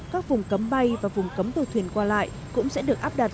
các vùng cấm bay và vùng cấm tàu thuyền qua lại cũng sẽ được áp đặt